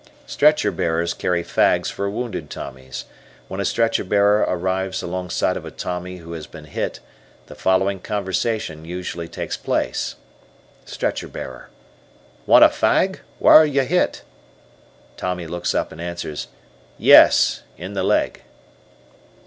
Stretcher bearers carry fags for wounded Tommies. When a stretcher bearer arrives alongside of a Tommy who has been hit, the following conversation usually takes place Stretcher bearer, "Want a fag? Where are you hit?" Tommy looks up and answers, "Yes. In the leg."